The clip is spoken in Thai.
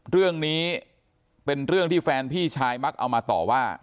เรื่องนี้เป็นเรื่องที่แฟนพี่ชายมักเอามาต่อว่า